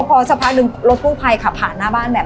พอสักพักหนึ่งรถกู้ภัยขับผ่านหน้าบ้านแบบ